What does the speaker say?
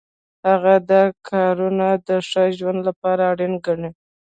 هغه دا کارونه د ښه ژوند لپاره اړین ګڼي.